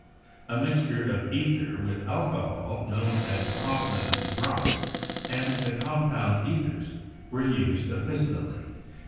A mixture of ether with alco hol, known as "Hoffmann's drops," and the compound ethers were used officmally.